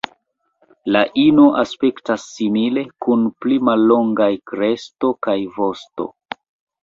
La ino aspektas simile, kun pli mallongaj kresto kaj vosto.